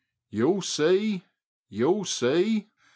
*' You'll see ! You'll see